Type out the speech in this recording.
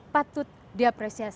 yang ketiga sebagai perusahaan